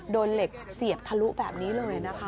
โดนเหล็กเสียบทะลุแบบนี้เลยนะคะ